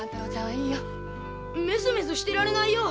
メソメソしてられないよ